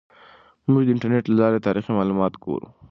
موږ د انټرنیټ له لارې تاریخي معلومات ګورو.